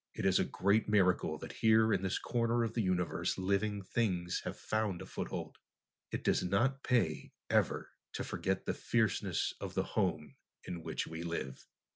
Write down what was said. It is a great miracle that here in this corner of the universe living things have found a foothold. It does not pay ever to forget the fierceness of the home in which we live."